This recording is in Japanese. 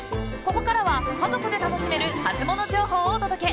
ここからは家族で楽しめるハツモノ情報をお届け。